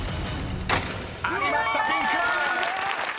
［ありました「ピンク」！］